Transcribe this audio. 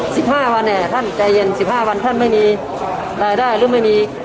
สิบห้าวันเนี่ยท่านใจเย็นสิบห้าวันท่านไม่มีรายได้หรือไม่มี